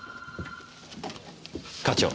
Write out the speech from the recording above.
課長。